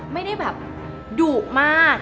ไม่ได้แบบดุมาก